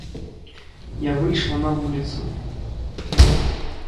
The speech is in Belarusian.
Я выйшла на вуліцу.